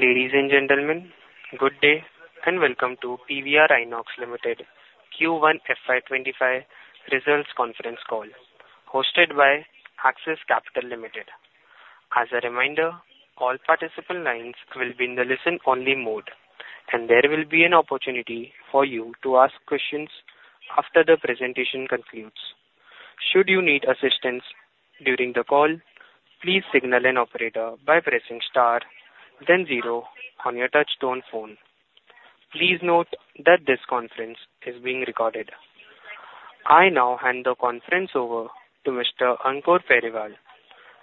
Ladies and Gentlemen, good day and welcome to PVR INOX Limited Q1FY25 results conference call hosted by Axis Capital Limited. As a reminder, all participant lines will be in the listen-only mode and there will be an opportunity for you to ask questions after the presentation concludes. Should you need assistance during the call, please signal an operator by pressing Star then zero on your touch-tone phone. Please note that this conference is being recorded. I now hand the conference over to Mr. Ankur Periwal.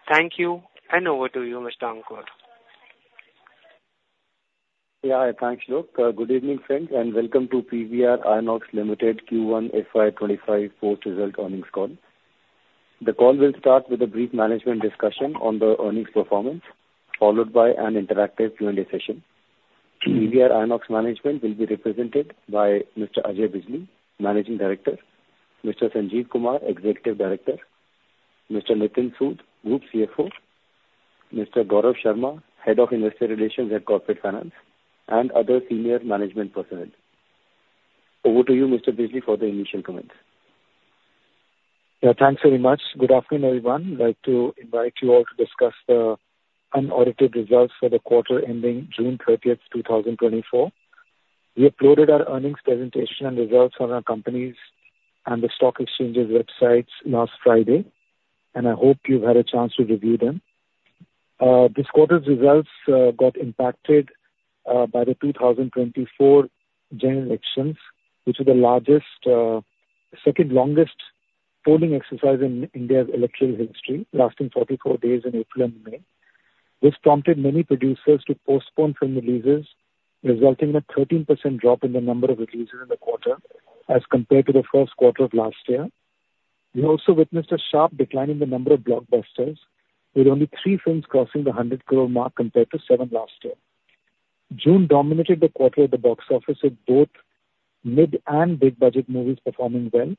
Thank you and over to you, Mr. Ankur. Thanks. Look, good evening friends and welcome to PVR INOX Limited Q1 FY25 Post Result Earnings Call. The call will start with a brief. Management discussion on the earnings performance followed by an interactive Q&A session. PVR INOX Management will be represented by Mr. Ajay Bijli, Managing Director, Mr. Sanjeev. Kumar, Executive Director, Mr. Nitin Sood, Group Chief Financial Officer. CFO, Mr. Gaurav Sharma, Head of Investor. Relations and Corporate Finance and other senior management personnel. Over to you, Mr. Bijli, for the initial comments. Thanks very much. Good afternoon, everyone. Like to invite you all to discuss the unaudited results for the quarter ending June 30, 2024. We uploaded our earnings presentation and results on our company's and the stock exchanges' websites last Friday, and I hope you've had a chance to review them. This quarter's results got impacted by the 2024 general elections, which were the largest, second longest polling exercise in India's electoral history lasting 44 days in April and May. This prompted many producers to postpone from releases, resulting in a 13% drop in the number of releases in the quarter as compared to the first quarter of last year. We also witnessed a sharp decline in the number of blockbusters with only three films crossing the 100 crore mark compared to seven last year. June dominated the quarter at the box office with both mid and big budget movies performing well.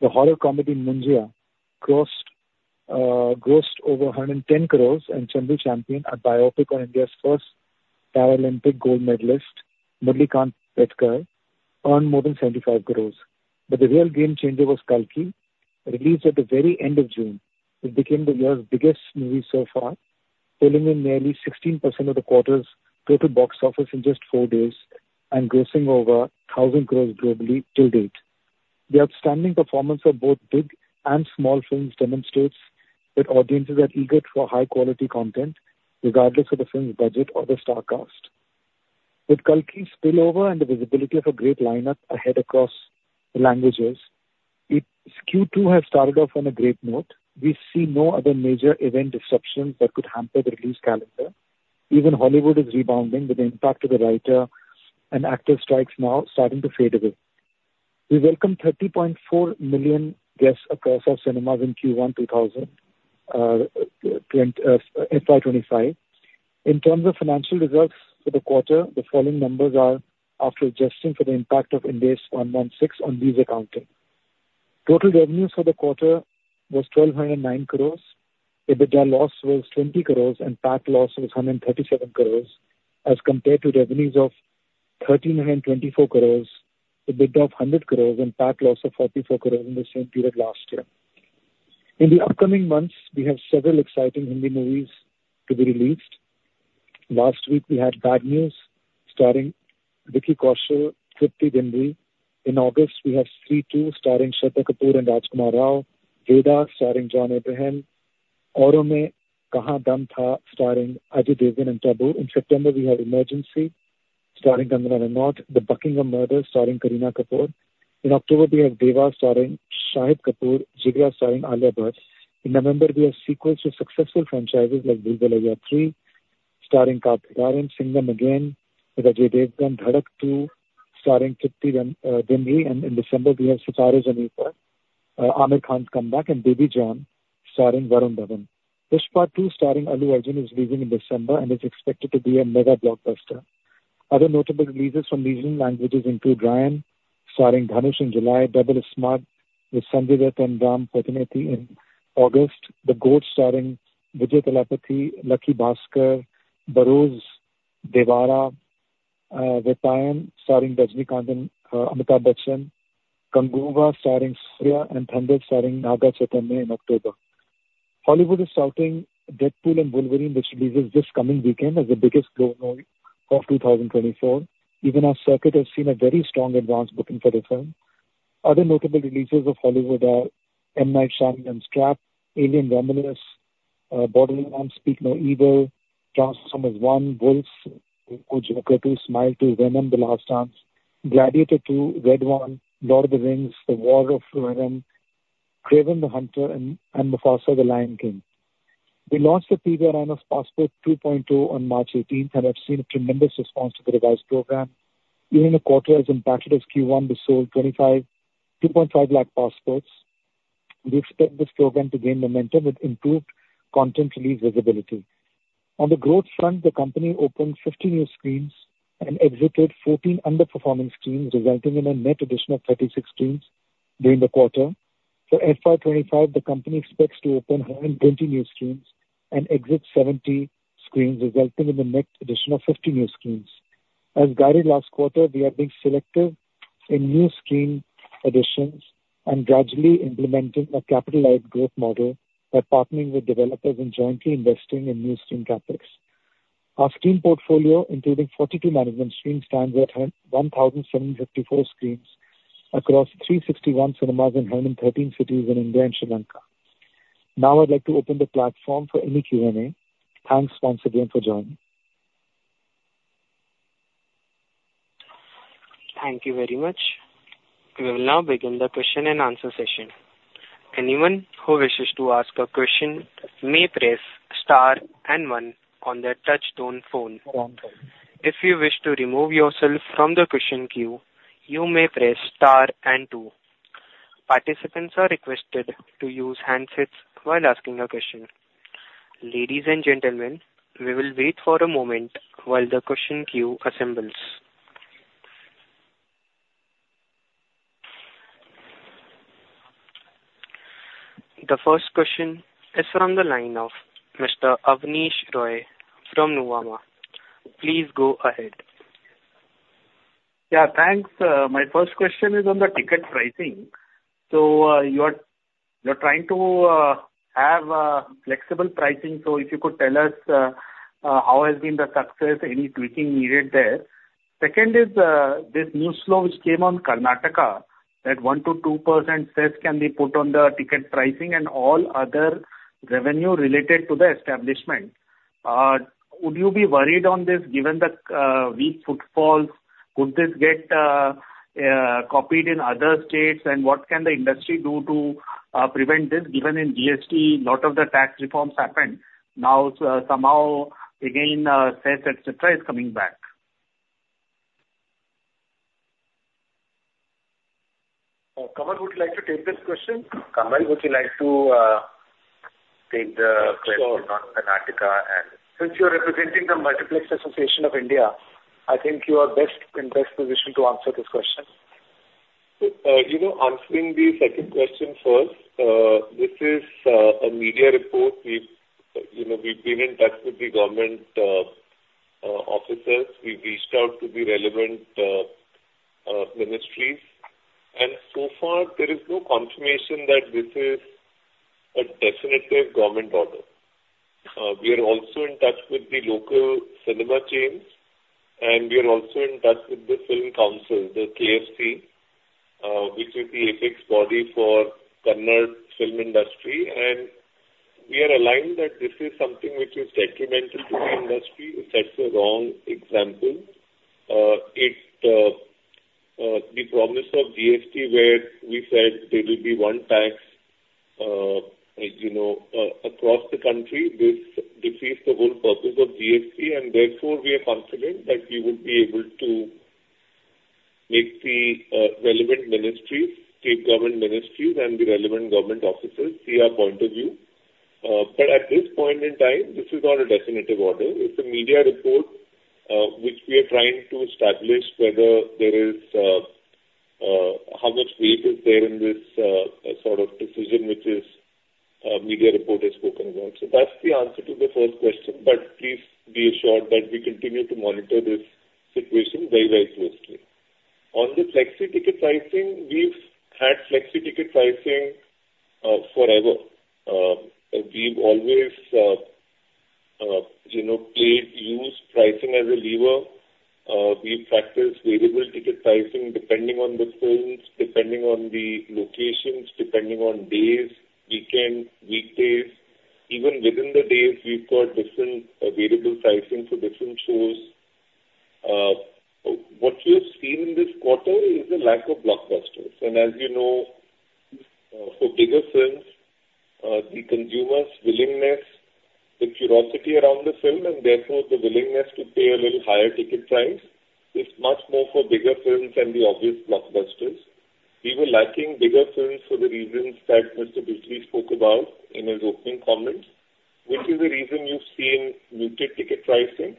The horror comedy Munjya grossed over 110 crore and Chandu Champion, a biopic on India's first Paralympic gold medalist Murlikant Petkar, earned more than 75 crore. But the real game changer was Kalki. Released at the very end of June, it became the year's biggest movie so far, pulling in nearly 16% of the quarter's total box office in just four days and grossing over 1,000 crore globally till date. The outstanding performance of both big and small films demonstrates that audiences are eager for high quality content regardless of the film's budget or the star cast. With Kalki spillover and the visibility of a great lineup ahead across languages. Q2 has started off on a great note. We see no other major event disruptions that could hamper the release calendar. Even Hollywood is rebounding with the impact of the writer and actor strikes now starting to fade away. We welcomed 30.4 million guests across our cinemas in Q1 FY25. In terms of financial results for the quarter, the following numbers are after adjusting for the impact of Ind AS 116 on lease accounting. Total revenues for the quarter was 1,209 crores, EBITDA loss was 20 crores and PAT loss was 137 crores as compared to revenues of 1,324 crores, the EBITDA of 100 crores and PAT loss of 44 crores in the same period last year. In the upcoming months we have several exciting Hindi movies to be released. Last week we had Bad Newz starring Vicky Kaushal, Triptii Dimri. In August we have Stree 2 starring Shraddha Kapoor and Rajkummar Rao, Vedaa starring John Abraham, Auron Mein Kahan Dum Tha starring Ajay Devgn and Tabu. In September we have Emergency starring Kangana Ranaut, The Buckingham Murders starring Kareena Kapoor Khan. In October we have Deva starring Shahid Kapoor, Jigra starring Alia Bhatt. In November we have sequels to successful franchises like Bhool Bhulaiyaa 3 starring Kartik Aaryan, again Ajay Devgn, Dhadak 2 starring Triptii Dimri and in December we have Sitaare Zameen Par, Aamir Khan's comeback and Baby John starring Varun Dhawan. Pushpa 2: The Rule starring Allu Arjun is releasing in December and is expected to be a mega blockbuster. Other notable releases from regional languages include Raayan starring Dhanush in July, Double iSmart with Sanjay Dutt and Ram Pothineni. In August, The Greatest of All Time starring Vijay, Lucky Baskhar, Barroz, Devara: Part 1, Vettaiyan starring Rajinikanth, Amitabh Bachchan, Kanguva starring Suriya and Thandel starring Naga Chaitanya Akkineni. In October, Hollywood is touting Deadpool & Wolverine, which releases this coming weekend as the biggest global of 2024. Even our circuit has seen a very strong advance booking for the film. Other notable releases of Hollywood are M. Night Shyamalan's Trap, Alien: Romulus, Borderlands, Speak No Evil, Transformers One, Wolf Man, Joker 2, Smile 2, Venom: The Last Dance, Gladiator II, Red One, The Lord of the Rings: The War of the Rohirrim, Kraven the Hunter and Mufasa: The Lion King. We launched the PVR INOX Passport 2.0 on March 18 and have seen a tremendous response to the revised program. During the quarter as impacted as Q1, we sold 250,000 passports. We expect this program to gain momentum with improved content release visibility. On the growth front, the company opened 50 new screens and exited 14 underperforming screens resulting in a net addition of 36 screens during the quarter. For FY25, the company expects to open 120 new screens and exit 70 screens resulting in the net addition of 50 new screens. As guided last quarter, we are being selective in new screen additions and gradually implementing a capitalised growth model by partnering with developers and jointly investing in new screen CapEx. Our screen portfolio including 42 management screens stands at 1,754 screens across 361 cinemas in 110 malls and 13 cities in India and Sri Lanka. Now I'd like to open the platform for any Q&A. Thanks once again for joining. Thank you very much. We will now begin the question and answer session. Anyone who wishes to ask a question may press star and one on their touchtone phone. If you wish to remove yourself from the question queue, you may press star and two. Participants are requested to use handsets while asking a question. Ladies and gentlemen, we will wait for a moment while the question queue assembles. The first question is from the line of Mr. Avnish Roy from Nuvama. Please go ahead. Yes, thanks. My first question is on the ticket pricing. So you are trying to have flexible pricing. So if you could tell us how has been the success? Any tweaking needed there? Second is this new law which came on Karnataka that 1%-2% cess can be put on the ticket pricing and all other revenue related to the establishment. Would you be worried on this given the weak footfalls? Could this get copied in other states and what can the. Industry do to prevent this? Given in GST, lot of the tax reforms happened. Now somehow again Cess etc. is coming back. Kamal would like to take this question. Kamal, would you like to take the article? Since you're representing the Multiplex Association of India, I think you are best in best position to answer this question. You know, answering the second question first, this is a media report. We, you know, we've been in touch with the government officers. We reached out to the relevant authorities, and so far there is no confirmation that this is a definitive government order. We are also in touch with the local cinema chains, and we are also in touch with the film council, the KFC, which is the apex body for the Kannada film industry, and we are aligned that this is something which is detrimental to the industry. It sets the wrong example. The promise of GST, where we said there will be one tax, you know, across the country. This defeats the whole purpose of GST, and therefore we are confident that we would be able to make the relevant ministries, state government ministries, and the relevant government officers see our point of view. But at this point in time, this is not a definitive order. It's a media report which we are trying to establish whether there is, how much weight is there in this sort of decision which the media report has spoken about. So that's the answer to the first question. But please be assured that we continue to monitor this situation very, very closely. On the flexi ticket pricing, we've had flexi ticket pricing forever. We've always, you know, use pricing as a lever. We practice variable ticket pricing depending on the films, depending on the locations, depending on days, weekend, weekdays, even within the days. We've got different variable pricing for different shows. What you have seen in this quarter is the lack of blockbusters and as you know, for Giga stars, the consumer's willingness, the curiosity around the film and therefore the willingness to pay a little higher ticket price is much more for bigger films than the obvious blockbusters. We were lacking bigger films for the reasons that Mr. Bijli spoke about in his opening comments, which is the reason you've seen muted ticket pricing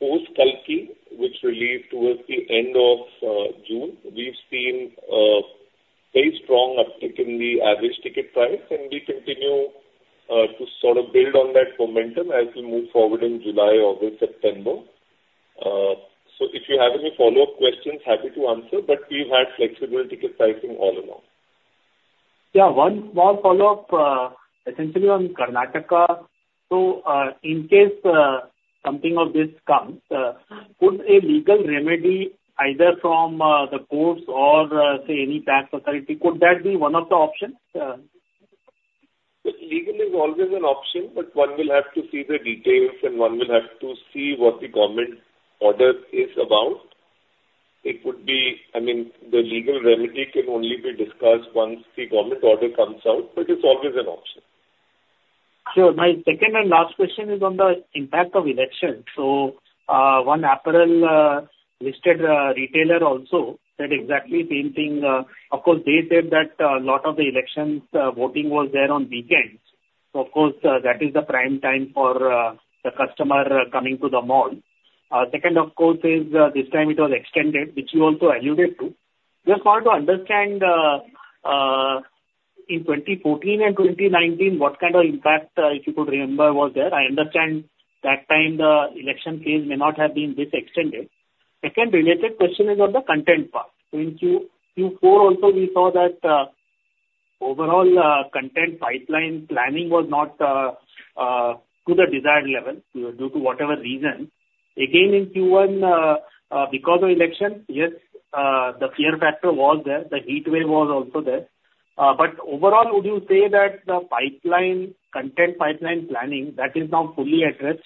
post Kalki, which released towards the end of June. We've seen very strong uptick in the average ticket price and we continue to sort of build on that momentum as we move forward in July, August, September. So if you have any follow up questions, happy to answer. But we've had flexible ticket pricing all along. Yeah, one small follow-up essentially on Karnataka. So in case something of this comes to fruition, a legal remedy, either from the courts or say any tax authority, could that be one of the options? Legal is always an option, but one will have to see the details and one will have to see what the government order is about. It would be, I mean the legal remedy can only be discussed once the government order comes out, but it's always an option. Sure. My second and last question is on the impact of election. So one apparel listed retailer also said exactly same thing. Of course they said that a lot of the elections voting was there on weekends. So of course that is the prime time for the customer coming to the mall. Second of course is this time it was extended which you also alluded to. Just want to understand in 2014 and 2019 what kind of impact if you could remember was there. I understand that this time the election phase may not have been this extended. Second related question is on the content. Apart in Q4 also we saw that overall content pipeline planning was not to the desired level due to whatever reason. Again, in Q1 because of election, yes, the fear factor was there, the heat wave was also there. But overall, would you say that the pipeline, content pipeline planning that is now. Fully addressed.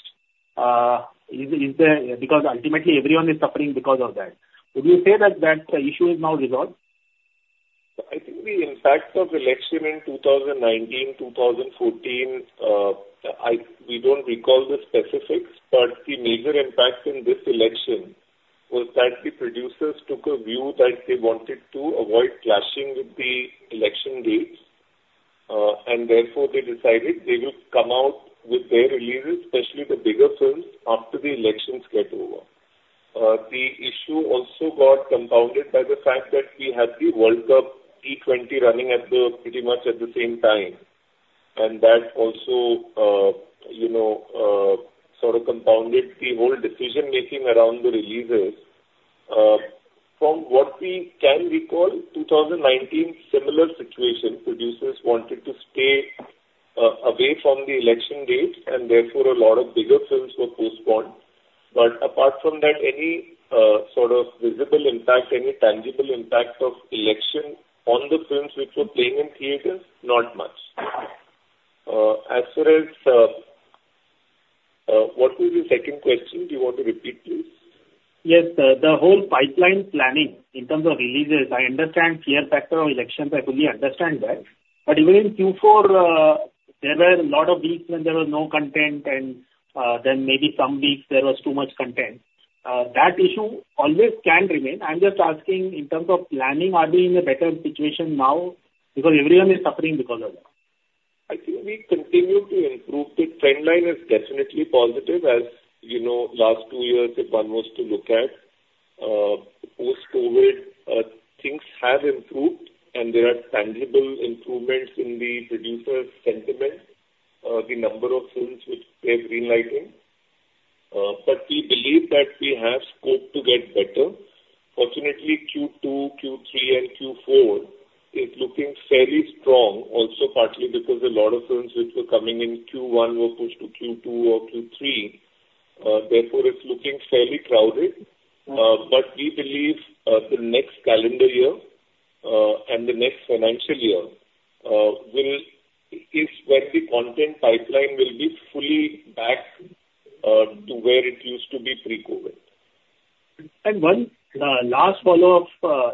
Because ultimately everyone is suffering because of that. Would you say that that issue is now resolved? I think the impact of election in 2019, 2014. We don't recall the specifics, but the major impact in this election was that the producers took a view that they wanted to avoid clashing with the election dates and therefore they decided they will come out with their releases, especially the bigger films, after the elections get over. The issue also got compounded by the fact that we had the World Cup T20 running at the pretty much at the same time. And that also, you know, sort of compounded the whole decision making around the releases. From what we can recall, 2019, similar situation, producers wanted to stay away from the election date and therefore a lot of bigger films were postponed. But apart from that, any sort of. Visible impact, any tangible impact of election? On the films which were playing in theaters? Not much. As far as. What was the second question? Do you want to repeat, please? Yes, the whole pipeline planning in terms. Of releases, I understand fear factor of elections. I fully understand that. But even in Q4 there were a lot of weeks when there was no content and then maybe some weeks there. Was too much content. That issue always can remain. I'm just asking in terms of planning, are we in a better situation now because everyone is suffering because of that? I think we continue to improve. The trend line is definitely positive. As you know, last two years, if one was to look at post-COVID, things have improved and there are tangible improvements in the producer sentiment, the number of films which they're green lighting. But we believe that we have scope to get better. Fortunately Q2, Q3 and Q4 is looking fairly strong also partly because a lot of films which were coming in Q1 were pushed to Q2 or Q3. Therefore it's looking fairly crowded. But we believe the next calendar year and the next financial year is when the content pipeline will be fully back to where it used to be pre. COVID and one last follow-up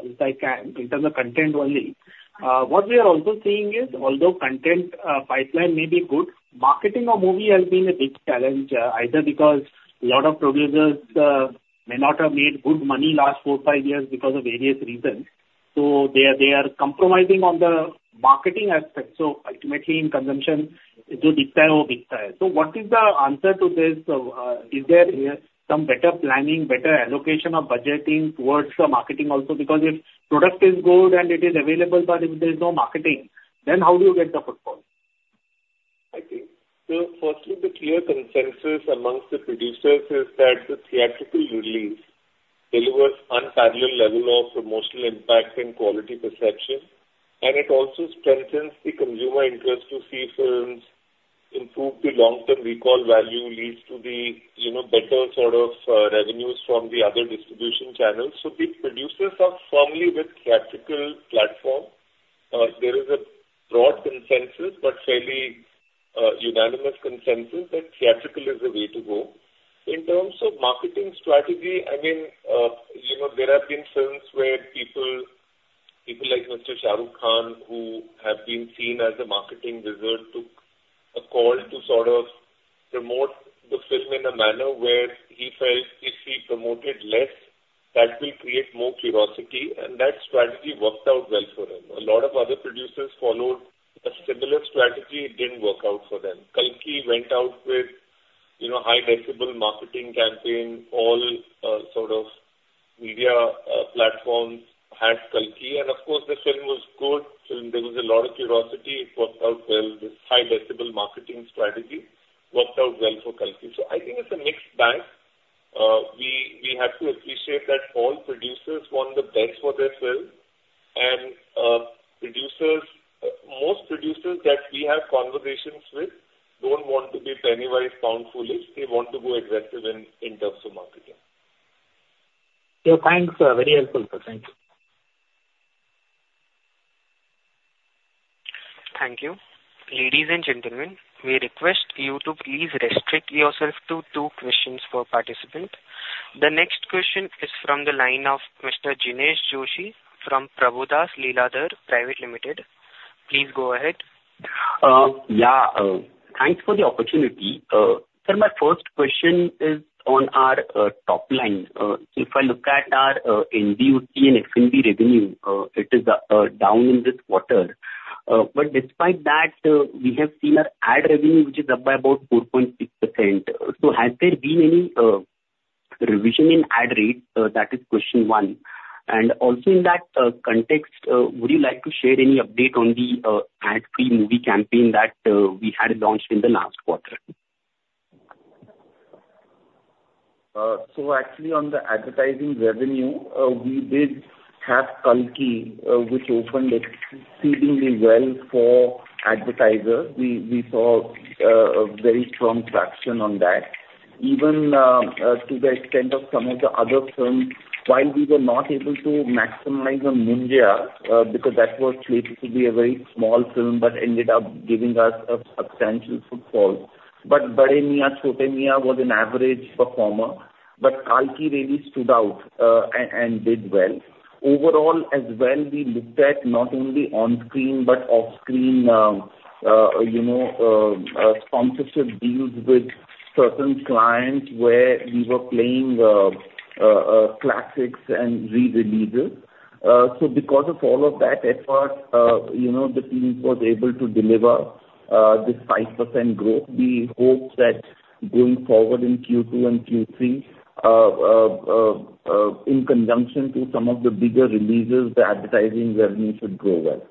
if I can in terms of content only. What we are also seeing is although content pipeline may be good marketing or movie has been a big challenge either because a lot of producers may not have made good money last 4, 5 years because of various reasons. So they are compromising on the marketing aspect. Ultimately in consumption. What is the answer to this? Is there some better planning, better allocation of budgeting towards the marketing? Also because if product is good and it is available, but if there is no marketing, then how do you get the footfall? I think firstly, the clear consensus among the producers is that the theatrical release delivers unparalleled level of promotional impact and quality perception. It also strengthens the consumer interest to see films improve. The long term recall value leads to the, you know, better sort of revenues from the other distribution channels. So the producers are firmly with theatrical platform. There is a broad consensus but fairly unanimous consensus that theatrical is the way to go in terms of marketing strategy. I mean, you know, there have been films where people like Mr. Shah Rukh Khan who have been seen as a marketing wizard took a call to sort of promote the film in a manner where he felt if he promoted less, that will create more curiosity. And that strategy worked out well for him. A lot of other producers followed a similar strategy. It didn't work out for them. Kalki went out with, you know, high decibel marketing campaign. All sorts of media platforms had Kalki, and of course the film was a good film. There was a lot of curiosity. It worked out well. This high decibel marketing strategy worked out well for Kalki. So I think it's a mixed bag. We have to appreciate that all producers want the best for themselves and producers. Most producers that we have conversations with don't want to be pennywise pound foolish. They want to go aggressive in terms of market. Thank you. You're very helpful. Thank you. Thank you. Ladies and gentlemen, we request you to please restrict yourself to two questions for participant. The next question is from the line of Mr. Jinesh Joshi from Prabhudas Lilladher Private Limited. Please go ahead. Yeah, thanks for the opportunity, sir. My first question is on our top line. If I look at our NDOC and FNB revenue, it is down in this quarter. Despite that we have seen our ad revenue which is up by about 4.6%. So has there been any revision in ad rate? That is question one. And also in that context, would you like to share any update on the ad free movie campaign that we had. Launched in the last quarter? So actually on the advertising revenue, we did have Kalki which opened exceedingly well for advertisers. We saw a very strong traction on that even to the extent of some of the other films while we were not able to maximize on Munjya because that was slated to be a very small film but ended up giving us a substantial footfall. But Bade Miyan Chote Miyan was an average performer but Kalki really stood out and did well overall as well. We looked at not only on screen but off screen, you know, sponsorship deals with certain clients where we were playing classics and revisited. So because of all of that effort, the team was able to deliver this 5% growth. We hope that going forward in Q2 and Q3 in conjunction to some of the bigger releases, the advertising revenue should grow. Well.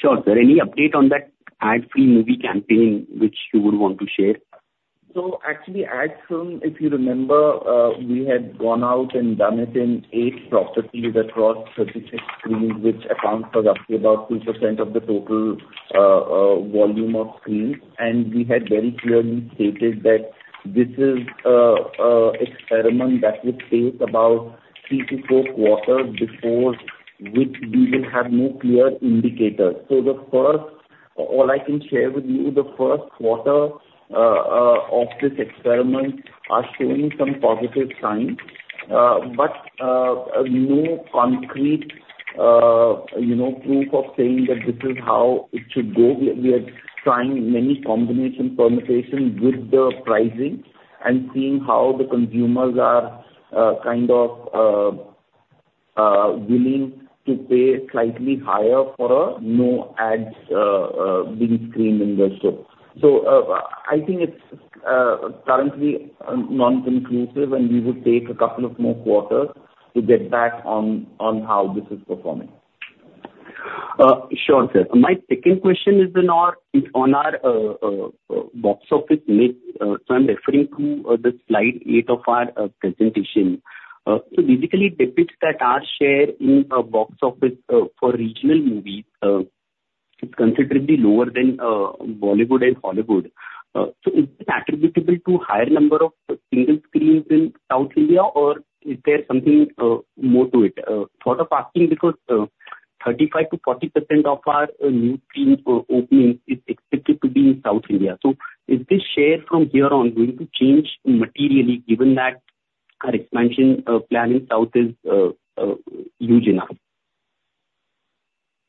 Sure, sir. Any update on that ad-free movie campaign which you would want to share? So actually last film, if you remember we had gone out and done it in 8 properties across 36 screens which account for up to about 2% of the total volume of screens. And we had very clearly stated that this is an experiment that would take about 3 to 4 quarters before which we will have no clear indicators. So that's all I can share. With you the first quarter of this. Experiments are showing some positive signs but no concrete proof of saying that this is how it should go. We are trying many combinations permutations with the pricing and seeing how the consumers are kind of willing to to pay slightly higher for no ads being screened in the store. So I think it's currently inconclusive and we would take a couple of more quarters to get back on how this is performing. Sure, sir. My second question is on our box office. So I'm referring to Slide 8 of our presentation. So basically depicts that our share in box office for regional movies considerably lower than Bollywood and Hollywood. So is it attributable to higher number of single screens in South India or is there something more to it? Sort of asking because 35%-40% of our new screen openings is expected to be in South India. So is this share from here on going to change materially given that our expansion plan in South is.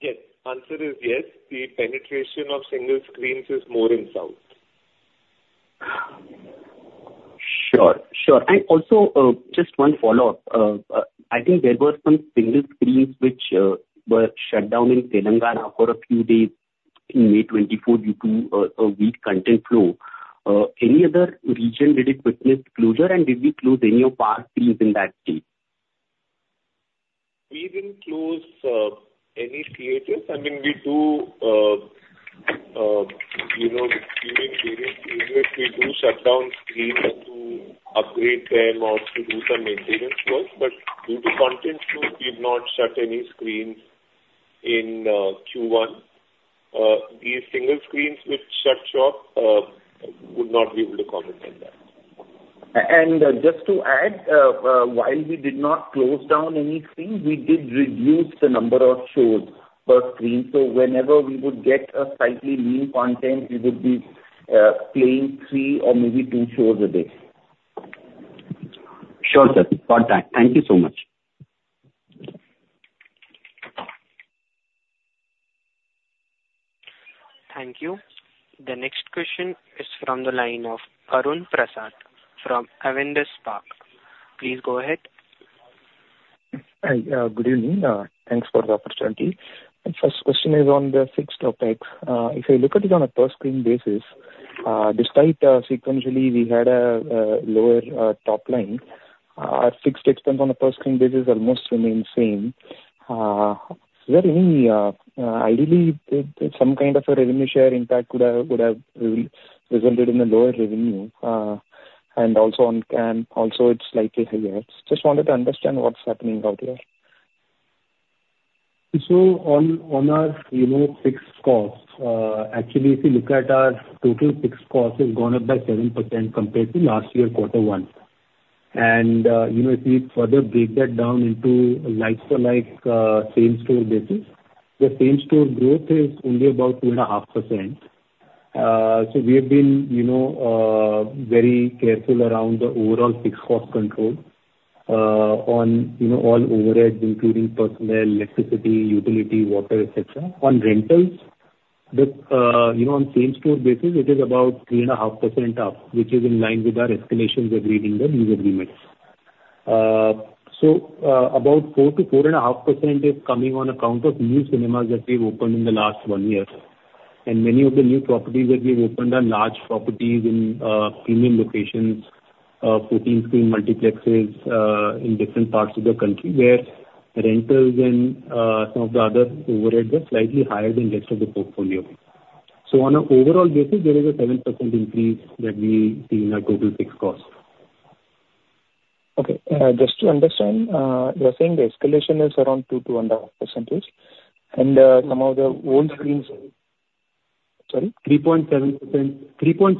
Yes? Answer is yes, the penetration of single screens is more in south. Sure, sure. Also just one follow-up, I think there were some single screens which were shut down in Telangana for a few days in May 2024 due to a weak content flow. Any other region did it witness closure and did we close any of our screens in that state? We didn't close any cinemas. I mean we do, you know we do shut down screens to upgrade them or to do some maintenance work but due to content we've not shut any screens in Q1. These single screens which shut shop we would not be able to comment. Just to add, while we did not close down any screen, we did reduce the number of shows per screen. Whenever we would get slightly weak content, we would be playing three or maybe two shows a day. Sure, sir, got that. Thank you so much. Thank you. The next question is from the line of Arun Prasad from Avendus Capital. Please go ahead. Good evening, thanks for the opportunity. My first question is on the fixed OpEx. If you look at it on a per screen basis, despite sequentially we had a lower top line, our fixed expense on a per screen basis almost remain same. Is there any, ideally, some kind of a revenue share impact could have resulted in the lower revenue. And also, occupancy is also slightly higher. Just wanted to understand what's happening out here. So on our, you know, fixed costs. Actually if you look at our total fixed cost has gone up by 7% compared to last year quarter one and if we further break that down into like-for-like same store basis the same store growth is only about 2.5%. So we have been, you know, very careful around the overall fixed cost control on, you know, all overheads including personnel, electricity, utility, water, etc. On rentals, you know, on same store basis it is about 3.5% up which is in line with our escalations of reading the lease agreements. So about 4%-4.5% is coming on account of new cinemas that we've opened in the last one year. Many of the new properties that we've opened are large properties in premium locations, 14 screen multiplexes in different parts of the country where rentals and some of the other overheads are slightly higher than the rest of the portfolio. So on an overall basis there is a 7% increase that we see in. Our total fixed cost. Okay, just to understand, you're saying the escalation is around 2%-2.5% and some of the old. Screens, sorry, 3.7, 3.7%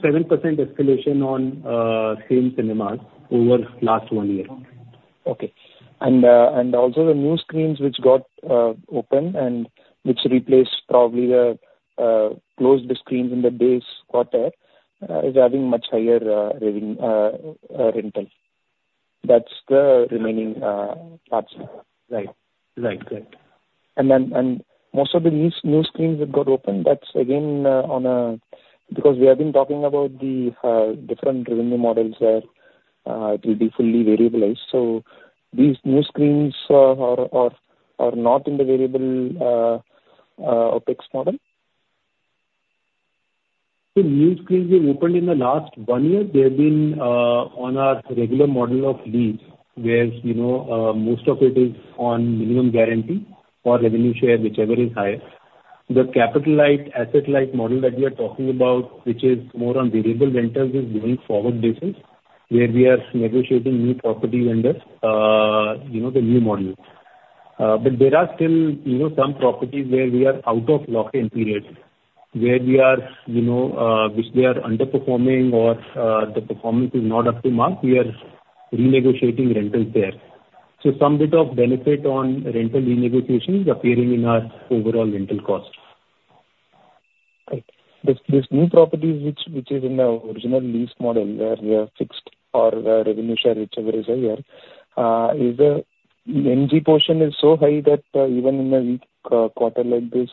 escalation on same cinemas over last one year. Okay. Also the new screens which got open and which replace probably the closed screens in the base quarter is having much higher rental. That's the remaining parts. Right, right, right. Most of the new screens that got open, that's again on a. Because we have been talking about the different revenue models where it will be fully variableized. So these new screens are not in the variable OpEx model. The new screens we've opened in the last one year they have been on our regular model of leases where most of it is on minimum guarantee or revenue share, whichever is higher. The capital light asset light model that we are talking about which is more on variable rentals is going forward basis where we are negotiating new properties under, you know, the new model. But there are still, you know, some properties where we are out of lock-in period, where we are, you know, which they are underperforming or the performance is not up to mark. We are renegotiating rentals there. So some bit of benefit on rental renegotiations appearing in our overall rental cost. This new property which is in the original lease model where we are fixed or revenue share, whichever is higher is the MG portion is so high that even in a weak quarter like this,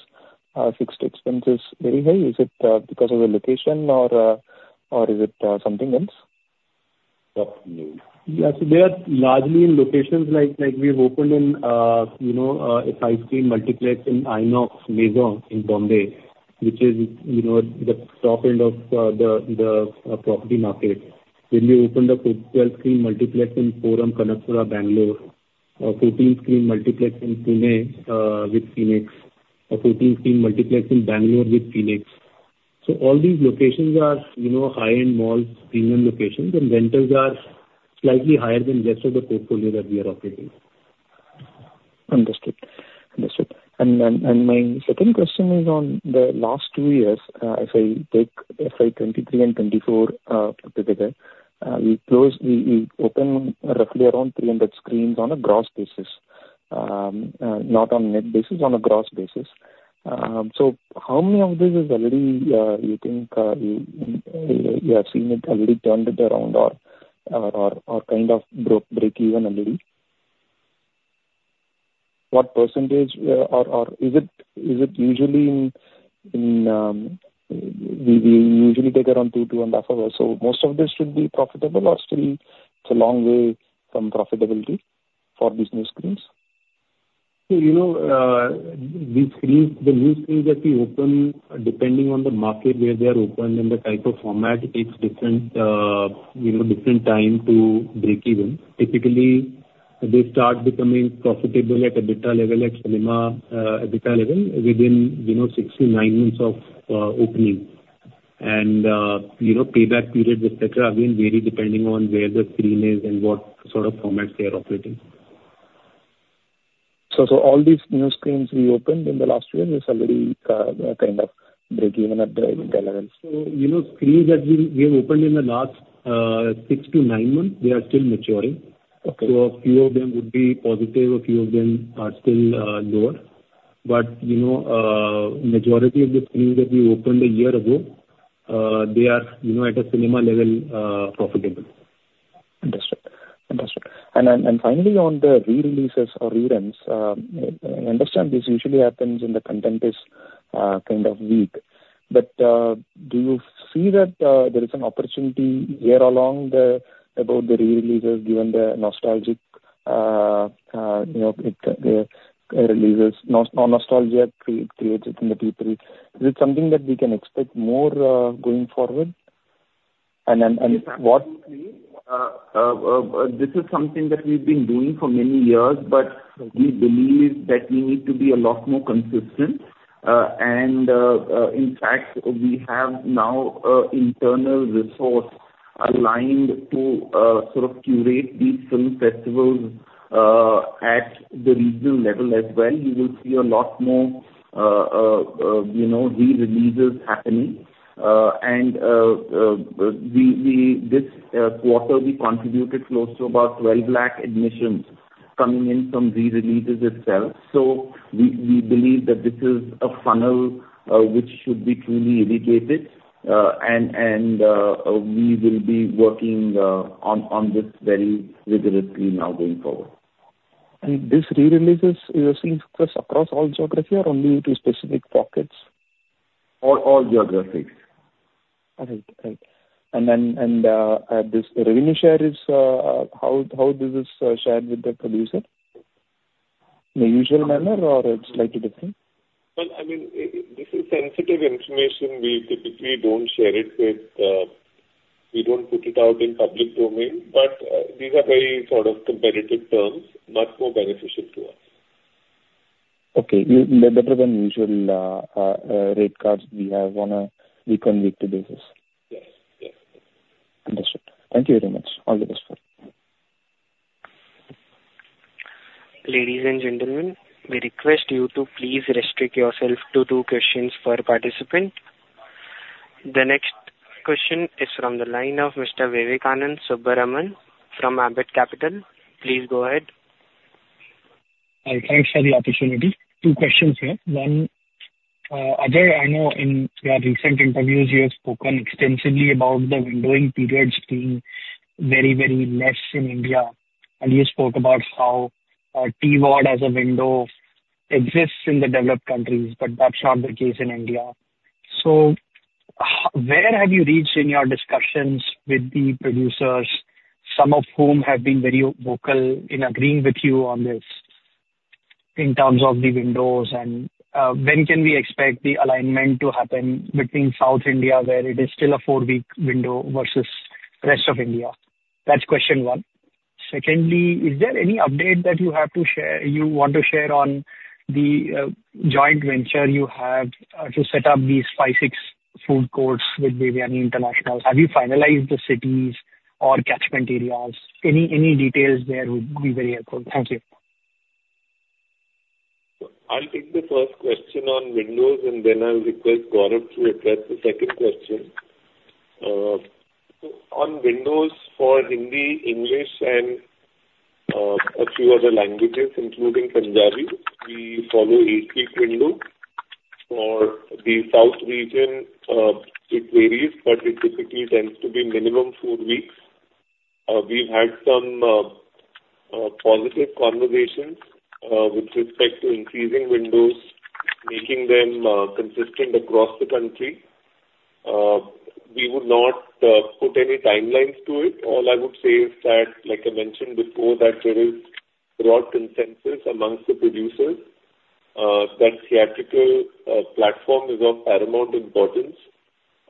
fixed expense is very high. Is it because of the location or is it something else? Yes, they are largely in locations like we've opened in, you know, a 5-screen multiplex in INOX Maison in Mumbai which is, you know, the top end. Of the property market. When we opened a 12-screen multiplex in Forum Kanakapura, Bengaluru, 14-screen multiplex in Pune with Phoenix, a 14-screen multiplex in Bengaluru with Phoenix. So all these locations are, you know, high-end malls, premium locations and rents are slightly higher than rest of the portfolio that we are operating. Understood? Understood. My second question is on the last two years, if I take FY2023 and 2024 together, we closed, we open roughly around 300 screens on a gross basis, not on net basis, on a gross basis. So how many of this is already, you think you have seen it already, turned it around or kind of break even a little? What percentage? Or is it usually? We usually take around 2, 2.5 years. So most of this should be profitable or still it's a long way from profitability for these new screens. You know, the new screens that we open, depending on the market where they are open and the type of format takes different, you know, different time to break even. Typically they start becoming profitable at EBITDA level, at cinema EBITDA level within, you know, 6-9 months of opening and you know, payback periods etc. again vary depending on where the screen is and what sort of formats they are operating. All these new screens we opened in the last year is already kind of break even. At the screens that we have opened in the last 6-9 months. They are still maturing. So a few of them would be positive, a few of them are still lower. But majority of the screens that we opened a year ago, they are at a cinema level profitable. Finally on the re-releases or reruns. Understand this usually happens in the content is kind of weak. But do you see that there is an opportunity here along the about the re-releases. Given the nostalgic, you know, releases. No. Nostalgia creates it in the people. Is it something that we can expect more going forward? And. This is something that we've been doing for many years. But we believe that we need to be a lot more consistent. In fact we have now internal resource aligned to sort of curate these film festivals at the regional level as well. You will see a lot more re-releases happening. This quarter we contributed close to about 12 lakh admissions coming in from re-releases itself. So we believe that this is a funnel which should be truly irrigated. We will be working on this very rigorously now going forward. And this re-releases across all geographies or only to specific pockets or all geographies? And then. This revenue share is how this is shared with the producer, the usual manner, or it's like a different? Well, I mean this is sensitive information. We typically don't share it with. We don't put it out in public domain. But these are very sort of competitive terms much more beneficial to us. Okay. Better than usual rate cards we have on a week on weekday basis. Understood. Thank you very much. All the best. Ladies and gentlemen, we request you to please restrict yourself to two questions for participant. The next question is from the line of Mr. Vivekanand Subbaraman from Ambit Capital. Please go ahead. I. Thanks for the opportunity. Two questions here. One. Ajay, I know in your recent interviews you have spoken extensively about the windowing periods being very very less in India. You spoke about how TVOD as a window exists in the developed countries. That's not the case in India. Where have you reached in your discussions with the producers, some of whom have been very vocal in agreeing with you on this in terms of the windows and when can we expect the alignment to happen between South India where it is still a 4-week window versus rest of India? That's question one. Secondly, is there any update that you have to share you want to share on the joint venture you have to set up these 5, 6 food courts with Devyani International. Have you finalized the cities or catchment areas? Any details there would be very helpful. Thank you. I'll take the first question on windows and then I'll request Gaurav to address the second question on windows for Hindi, English and a few other languages including Punjabi. We follow 8-week window for the south region. It varies but it typically tends to be minimum four weeks. We've had some positive conversations with respect to increasing windows making them consistent across the country. We would not put any timelines to it. All I would say is that like I mentioned before that there is broad consensus amongst the producers that theatrical platform is of paramount importance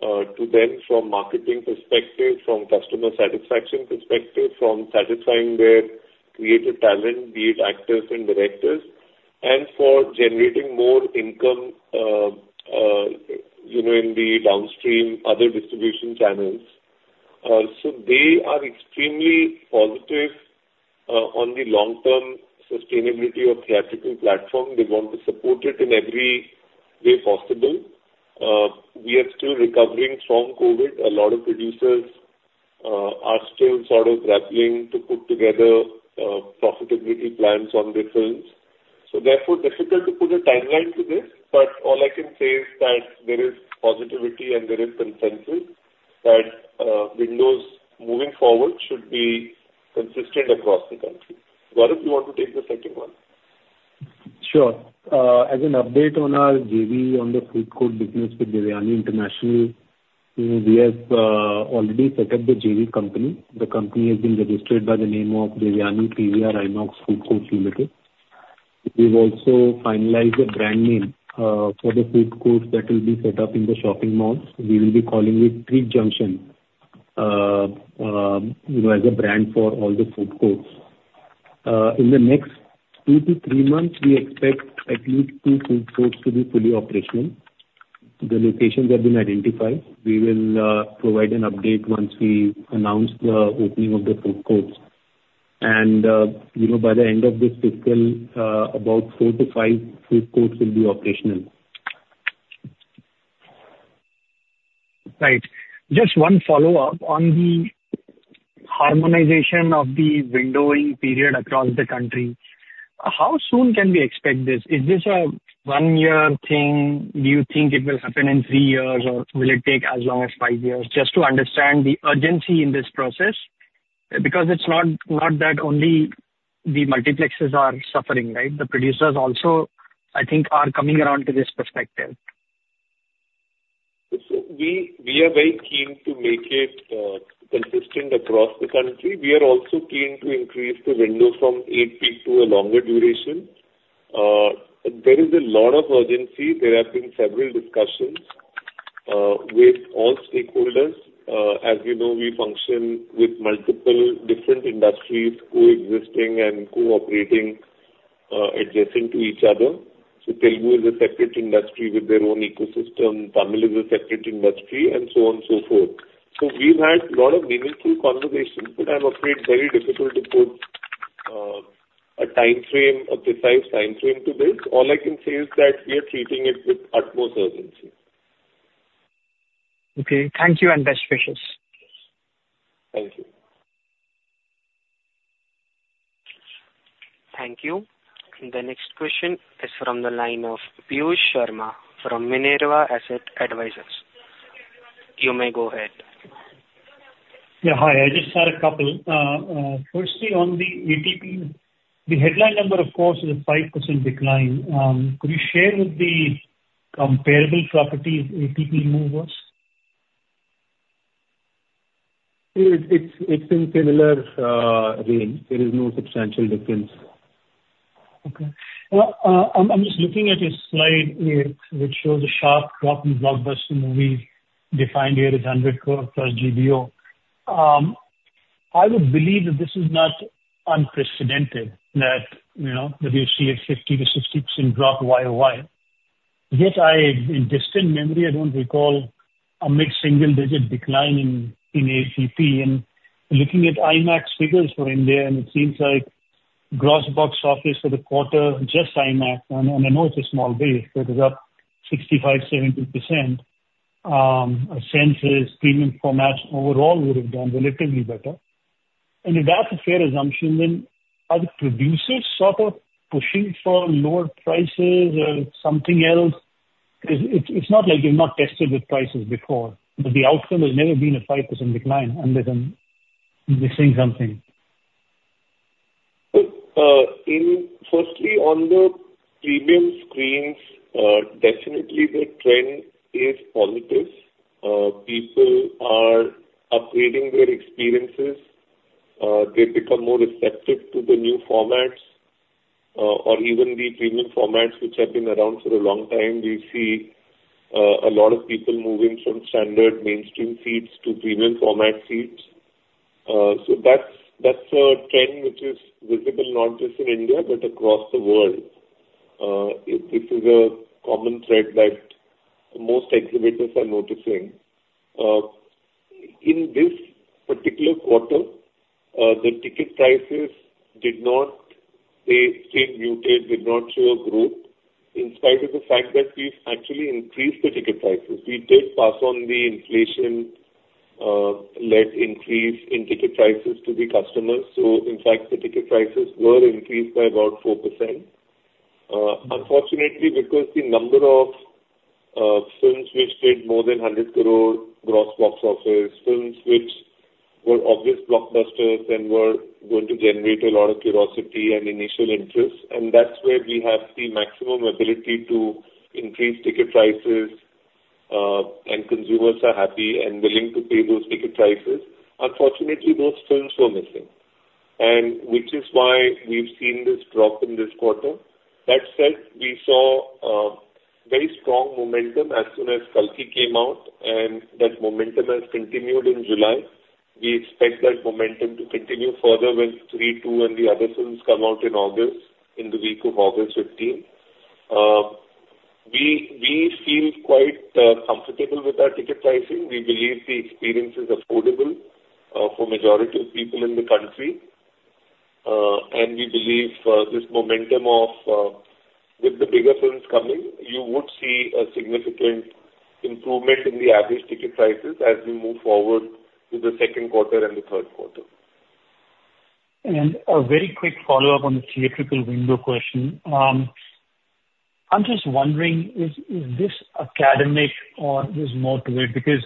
to them from marketing perspective, from customer satisfaction perspective, from satisfying their creative talent, be it actors and directors and for generating more income in the downstream other distribution channels. So they are extremely positive on the long term sustainability of theatrical platform. They want to support it in every way possible. We are still recovering from COVID. A lot of producers are still sort of grappling to put together profitability plans on their films. So, therefore, difficult to put a timeline to this. But all I can say is that there is positivity and there is consensus that windows moving forward should be consistent across the. Gaurav, you want to take the second one? Sure. As an update on our JV on the food court business with Devyani International, we have already set up the JV company. The company has been registered by the name of Devyani PVR INOX Food Courts Limited. We've also finalized a brand name for the food courts that will be set up in the shopping malls. We will be calling it Treat Junction as a brand for all the food courts in the next 2-3 months. We expect at least 2 food courts to be fully operational. The locations have been identified. We will provide an update once we announce the opening of the food courts. And you know, by the end of this fiscal about 4-5 food courts will be operational. Right. Just one follow up on the harmonization. Of the windowing period across the country. How soon can we expect this? Is this a one year thing? Do you think it will happen in 3 years or will it take as? long as five years? Just to understand the urgency in this process because it's not that only the multiplexes are suffering, right? The producers also I think are coming. Around to this perspective. We are very keen to make it consistent across the country. We are also keen to increase the window from 8-week to a longer duration. There is a lot of urgency. There have been several discussions with all stakeholders. As you know, we function with multiple different industries over coexisting and cooperating adjacent to each other. So Telugu is a separate industry with their own ecosystem, Tamil is a separate industry and so on, so forth. So we've had a lot of meaningful conversations but I'm afraid very difficult to put a time frame, a precise time frame to this. All I can say is that we are treating it with utmost urgency. Okay, thank you and best wishes. Thank you. Thank you. The next question is from the line of Piyush Sharma from Minerva Asset Advisors. You may go ahead. Yeah, hi, I just had a couple. Firstly, on the ATP, the headline number of course is a 5% decline. Could you share the comparable properties ATP movers? It's in similar range. There is no substantial difference. Okay. I'm just looking at a slide which shows a sharp drop in blockbuster movies defined here as 100 crore+ GBO. I would believe that this is not unprecedented that you know that you see a 50%-60% drop. Oh, yes. Yet, in distant memory I don't recall a mid-single-digit decline in ATP. And looking at IMAX figures for India and it seems like gross box office for the quarter, just IMAX. And I know it's a small base, it is up 65%-70%. A sense is premium formats overall would. Have done relatively better. If that's a fair assumption, then. Are the producers sort of pushing for? Lower prices or something else? It's not like you've not tested with prices before, but the outcome has never been a 5% decline. Unless I'm missing something. Firstly, on the premium screens, definitely the trend is positive. People are upgrading their experiences. They become more receptive to the new formats or even the premium formats which have been around for a long time. We see a lot of people moving from standard mainstream seats to premium format seats. So that's a trend which is visible not just in India but across the world. This is a common thread that most exhibitors are noticing. In this particular quarter the ticket prices did not, they stayed muted, did not show a growth. In spite of the fact that we've actually increased the ticket prices, we did pass on the inflation-led increase in ticket prices to the customers. So in fact the ticket prices were increased by about 4% unfortunately because the number of films which did more than 100 crore gross box office, films which were obvious blockbusters and were going to generate a lot of curiosity and initial interest and that's where we have the maximum ability to increase ticket prices and consumers are happy and willing to pay those ticket prices. Unfortunately those films were missing which is why we've seen this drop in this quarter. That said, we saw very strong momentum as soon as Kalki came out and that momentum has continued in July. We expect that momentum to continue further when Stree 2 and the other films come out in August, in the week of August 15, we feel quite comfortable with our ticket pricing. We believe the experience is affordable for majority of people in the country and we believe this momentum of with the bigger films coming, you would see a significant improvement in the average ticket prices. As we move forward with the second quarter and the third quarter and a. Very quick follow up on the theatrical. Window Question. I'm just wondering, is this academic or there's more to it? Because.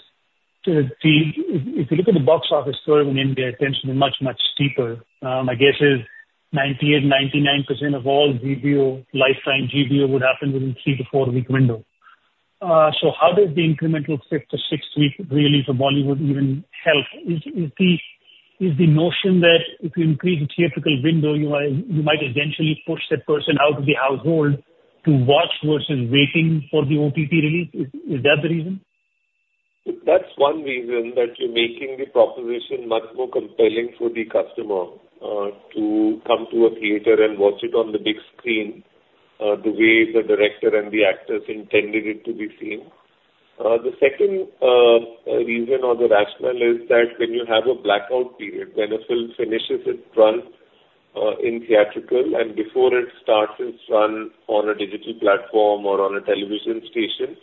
If you look at the box office curve in India, tension is much, much steeper. My guess is 98%-99% of all lifetime GBO would happen within a three- to four-week window. So how does the incremental fifth to sixth week really for Bollywood even help? Is the notion that if you increase the theatrical window, you might eventually push that person out of the household to watch versus waiting for the OTT release? Is it, is that the reason? That's one reason that you're making the proposition much more compelling for the customer to come to a theater and watch it on the big screen the way the director and the actors intended it to be seen. The second reason or the rationale is that when you have a blackout period, when a film finishes its run in theatrical and before it starts its run on a digital platform or on a television station,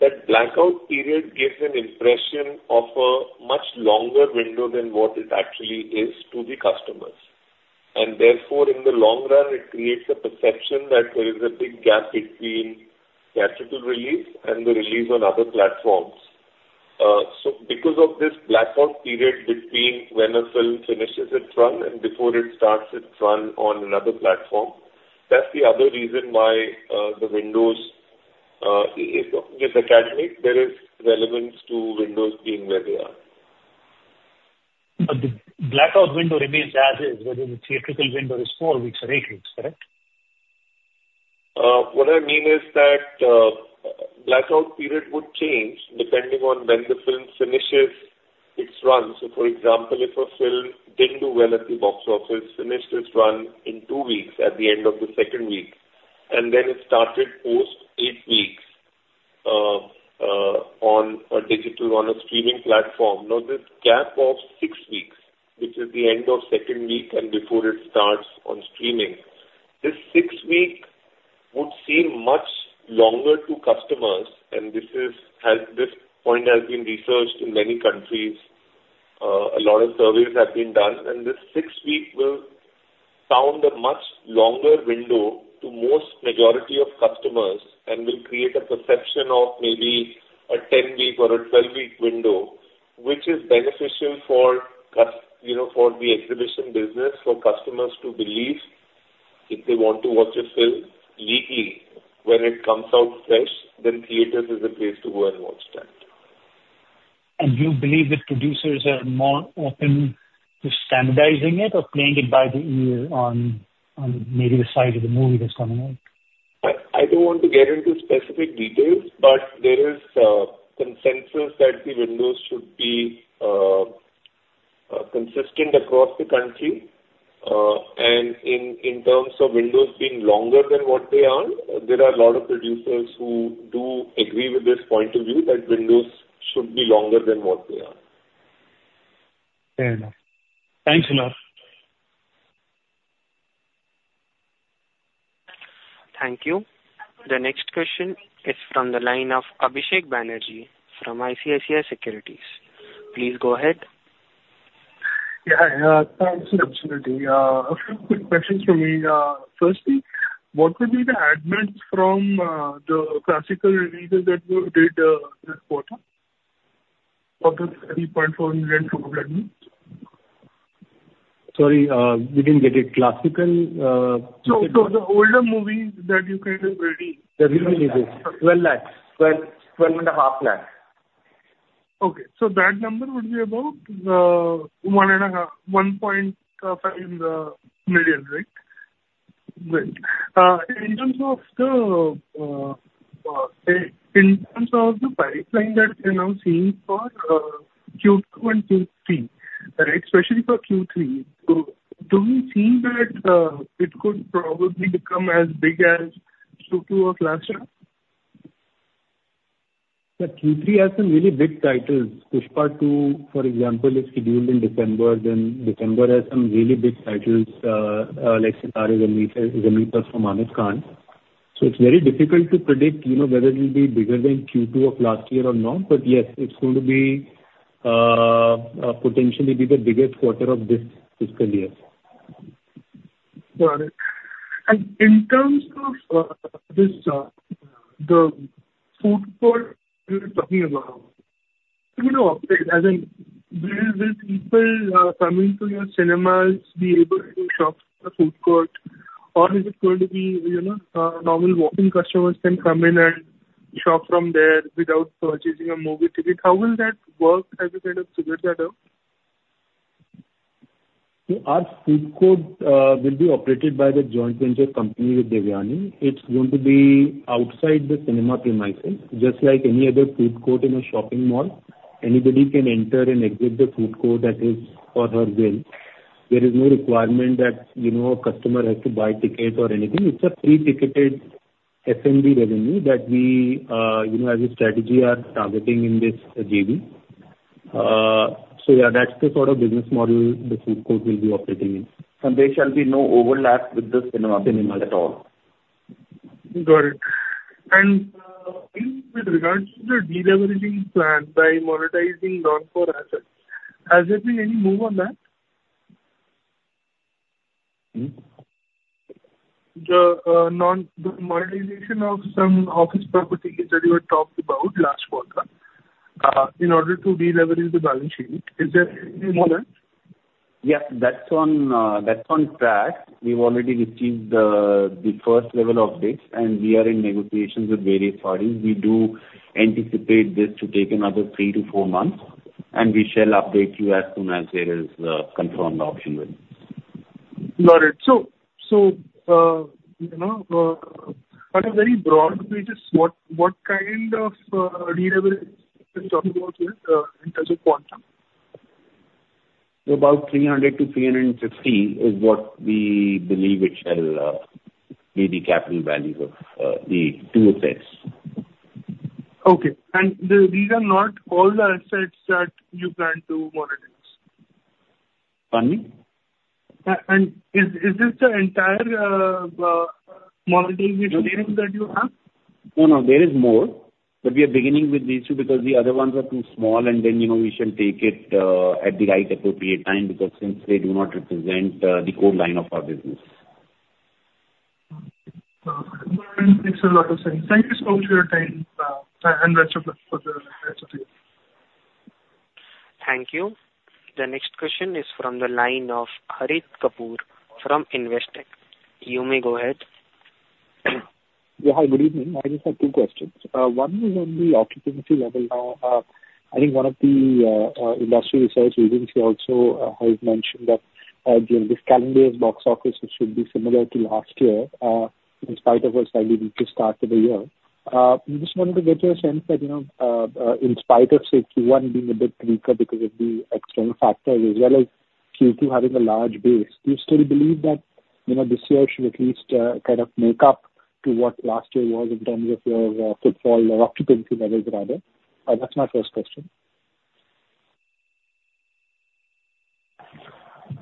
that blackout period gives an impression of a much longer window than what it actually is to the customers. And therefore in the long run it creates a perception that there is a big gap between theatrical release and the release on other platforms. So because of this blackout period between when a film finishes its run and before it starts its run on another platform, that's the other reason why the windows get extended. There is relevance to windows being where they are. But the blackout window remains as is whether the theatrical window is four weeks or eight weeks. Correct. What I mean is that blackout period would change depending on when the film finishes. So for example, if a film didn't do well at the box office, finished its run in 2 weeks, at the end of the second week and then it started post 8 weeks on a digital streaming platform. Now this gap of 6 weeks, which is the end of second week and before it starts on streaming, this 6-week would seem much longer to customers. And this point has been researched in many countries. A lot of surveys have been done. This 6-week will sound a much longer window to most majority of customers and will create a perception of maybe a 10-week or a 12-week window which is beneficial for, you know, for the exhibition business for customers to believe if they want to watch a film legally, when it comes out fresh, then theaters is the place to go and watch that. Do you believe that producers are? More open to standardizing it or playing it by the ear on maybe the side of the movie that's coming out? I don't want to get into specific details, but there is consensus that the windows should be consistent across the country. In terms of windows being longer than what they are, there are a lot of producers who do agree with this point of view that windows should be longer than what they are. Fair enough. Thanks. Thank you. The next question is from the line of Abhishek Banerjee from ICICI Securities. Please go ahead. Yeah, Hi. Thanks. A few quick questions for me. Firstly, what would be the admissions from the classic releases that you did this quarter? 3.4 million total admissions. Sorry, we didn't get it. Classical. The older movies that you kind. Of release the re. 12 lakhs. 12, 12.5 lakh. Okay. So that number would be about 1.5 million. Right. In terms of the pipeline that we now seeing for Q2 and Q3. Right. Especially for Q3, do we see that it could probably become as big as Q2 of last year? Q3 has some really big titles. Pushpa 2, for example, is scheduled in December. Then December has some really big titles like Sitaare Zameen Par from Aamir Khan. So it's very difficult to predict, you. No, whether it will be bigger than. Q2 of last year or not? But yes, it's going to be. Potentially be the biggest quarter of this fiscal year. Got it. In terms of this, the food court, you're talking about people coming to your cinemas be able to shop the food court or is it going to be, you know, normal walking customers can come in and shop from there without purchasing a movie ticket. How will that work? Have you kind of figured that out? Our food court will be operated by the joint venture company with Devyani. It's going to be outside the cinema premises just like any other food court. In a shopping mall. Anybody can enter and exit the food court at his or her will. There is no requirement that, you know, a customer has to buy tickets or anything. It's a pre-ticketed F&B revenue that we, you know, as a strategy are targeting in this JV. So yeah, that's the sort of business model the food court will be operating in. And there shall be no overlap with this, you know, at all. Got it. And with regards to the deleveraging plan by monetizing non-core assets. Has there been any move on that? The monetization of some office property. Is ATP up about last quarter. In order to deleverage the balance sheet. Is there any? Yeah, that's on. That's on track. We've already received the first level of this and we are in negotiations with various parties. We do anticipate this to take another 3-4 months and we shall update you as soon as there is confirmed option. Got it. So you know, on a very broad basis what kind of data. In terms of quantum. About 300-350 is what we. Believe it shall be the capital values of the two effects. Okay. And these are not all the assets that you plan to monetize. And is. Is this the entire monetization that you have? No, no, there is more but we are beginning with these two because the other ones are too small. And then you know, we shall take it at the right appropriate time because since they do not represent the code. Line of our business. Makes a lot of sense. Thank you so much for your time and rest of the. Thank you. The next question is from the line of Harit Kapoor from Investec. You may go ahead. Hi, good evening. I just have two questions. One is on the occupancy level. Now I think one of the Industrial Research Agency also has mentioned that this calendar's box office should be similar to last year in spite of what slightly we need to start to the year. Just wanted to get your sense that in spite of say Q1 being a bit weaker because of the external factors as well as Q2 having a large base, do you still believe that this year should at least kind of make up to what last year was in terms of your footfall or occupancy levels rather. That's my first question.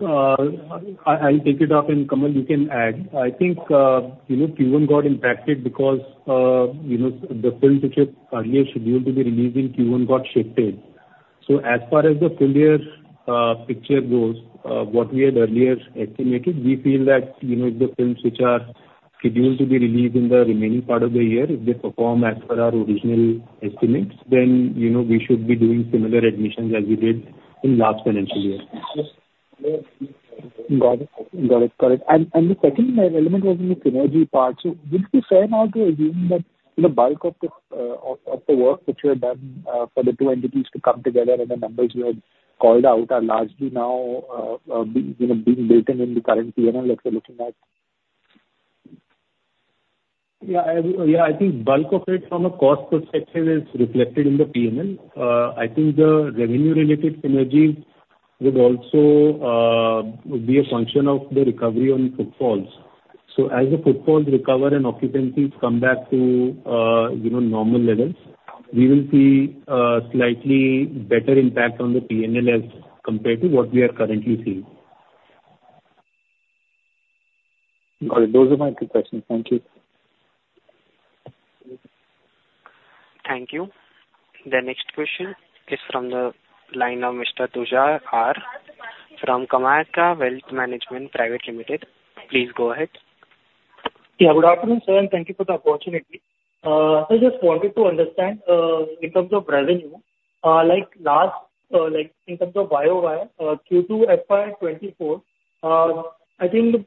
I'll take it off. Kamal, you can add. I think you know, Q1 got impacted because you know, the film picture earlier. Scheduled to be released in Q1 got shifted. So as far as the full year picture goes, what we had earlier estimated, we feel that, you know, if the films which are scheduled to be released in the remaining part of the year, if they perform as per our original estimates, then you know, we should be doing similar admissions as we did in last financial year. Got it. Got it correct. And the second element was in the synergy part. So would it be fair now to assume that the bulk of the work that you have done for the two entities to come together and the numbers? You had called out are largely now. Being built in the current P&L that we're looking at. Yeah, yeah. I think bulk of it from a cost perspective is reflected in the P&L. I think the revenue related synergies would also be a function of the recovery on footfalls. So as the footfalls recover and occupancies come back to normal levels, we will see slightly better impact on the P&L as compared to what we are currently seeing. Got it. Those are my two questions. Thank you. Thank you. The next question is from the line of Mr. Tuja R from Kamarkar Wealth Management Private Limited. Please go ahead. Yeah, good afternoon, sir, and thank you for the opportunity. I just wanted to understand in terms of revenue like last, like in terms of the prior Q2 FY24, I think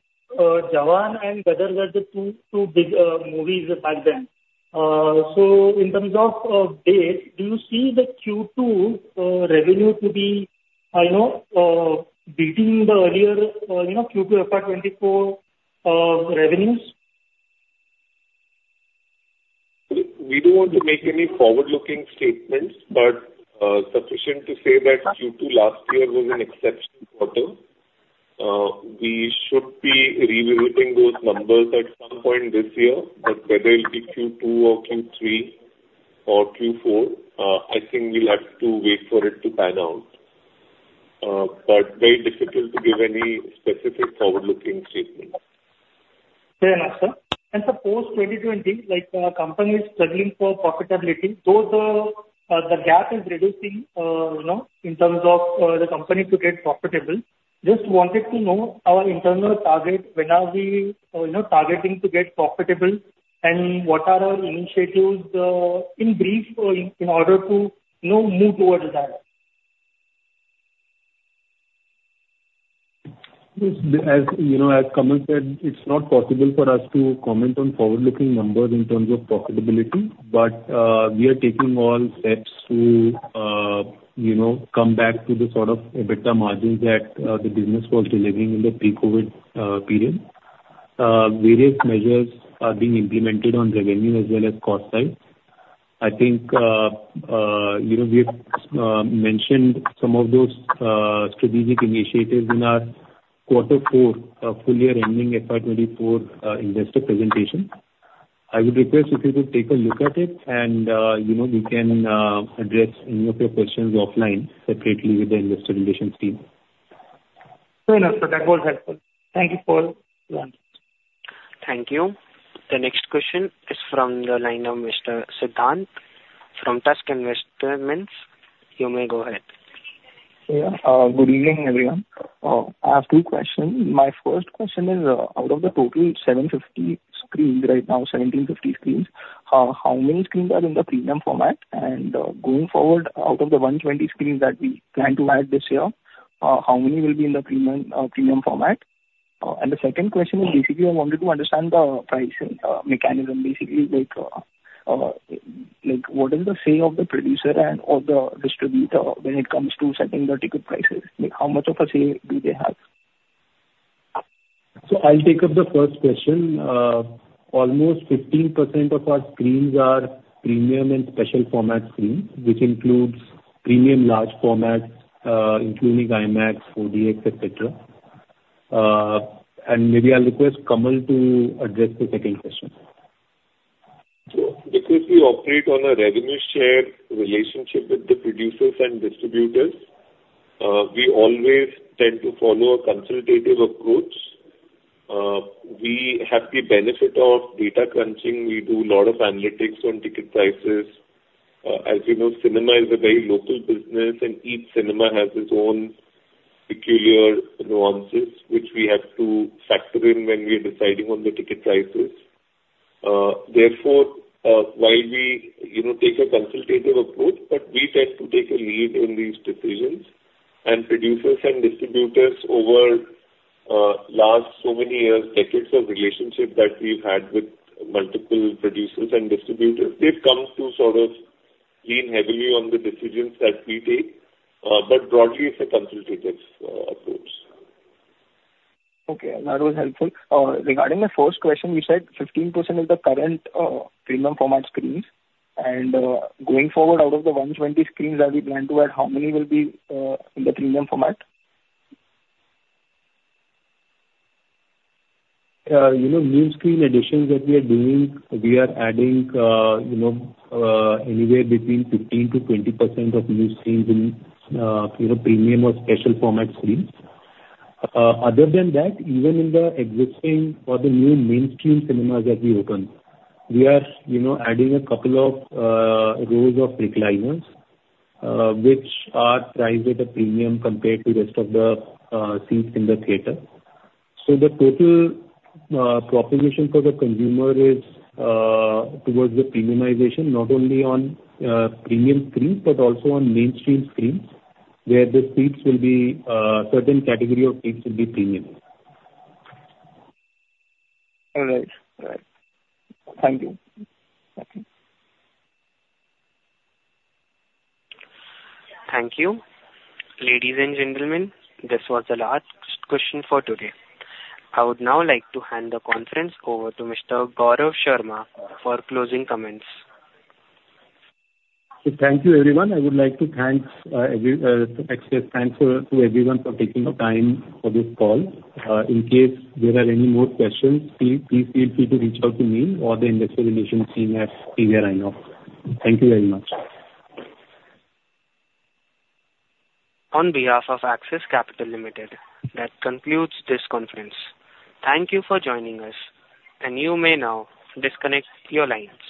Jawan and Gadar were the two big movies back then. So in terms of data, do you see the Q2 revenue to be, I know, beating the earlier, you know, Q2 FY24 revenues. We don't want to make any forward-looking statements but sufficient to say that Q2 last year was an exception. We should be revisiting those numbers at some point this year. But whether it'll be Q2 or Q3 or Q4, I think we'll have to wait for it to pan out. But very difficult to give any specific forward-looking statements. Fair enough Sir. Suppose 2020-like company is struggling for profitability though the gap is reducing in terms of the company to get profitable. Just wanted to know our internal target. When are we targeting to get profitable and what are our initiatives in brief in order to move towards that? As Kamal said, it's not possible for us to comment on forward-looking numbers in terms of performance profitability. But we are taking all steps to, you know, come back to the sort of EBITDA margins that the business was delivering in the pre-COVID period. Various measures are being implemented on revenue as well as cost side. I think you know we have mentioned some of those strategic initiatives in our quarter four full year ending FY 2024 investor presentation. I would request if you could take a look at it and you know we can address any of your questions offline separately with the investor relations team. That was helpful. Thank you Paul. Thank you. The next question is from the line of Mr. Siddhant from Tusk Investments. You may go ahead. Yeah. Good evening everyone. I have two questions. My first question is out of the total 750 screens right now, 1,750 screens, how many screens are in the premium format and going forward out of the 120 screens that we plan to add this year, how many will be in the premium format? And the second question is basically I wanted to understand the pricing mechanism. Basically. Like, what is the say of the producer and of the distributor when it comes to setting the ticket price? How much of a say do they have? So I'll take up the first question. Almost 15% of our screens are premium and special format screens, which includes premium large formats including IMAX, 4DX, etc. And maybe I'll request Kamal to address the second question. Because we operate on a revenue share relationship with the producers and distributors, we always tend to follow a consultative approach. We have the benefit of data crunching. We do a lot of analytics on ticket prices. As you know, cinema is a very local business and each cinema has its own peculiar nuances which we have to factor in when we are deciding on the ticket prices. Therefore, while we, you know, take a consultative approach, but we tend to take a lead in these decisions. And producers and distributors, over last so many years, decades of relationship that we've had with multiple producers and distributors, they've come to sort of lean heavily on the decisions that we take. But broadly it's a consultative approach. Okay, that was helpful. Regarding the first question, you said 15% of the current premium format screens. Going forward, out of the 120 screens that we plan to add, how many will be in the premium format? You know, new screen additions that we are doing, we are adding, you know, anywhere between 15%-20% of new screens in, you know, premium or special format screens. Other than that, even in the existing, for the new mainstream cinemas that we open, we are, you know, adding a couple of rows of recliners which are priced at a premium compared to rest of the seats in the theater. So the total proposition for the consumer is towards the premiumization not only on premium screens but also on mainstream screens. Where the seats will be. Certain category of seats will be premium. All right, thank you. Thank you ladies and gentlemen. This was the last question for today. I would now like to hand the conference over to Mr. Gaurav Sharma for closing comments. Thank you everyone. I would like to thank everyone for taking the time for this call. In case there are any more questions, please feel free to reach out to me or the investor relations team at PVR INOX. Thank you very much. On behalf of Axis Capital Limited. That concludes this conference. Thank you for joining us. You may now disconnect your lines.